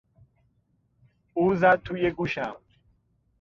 او زد توی گوشم.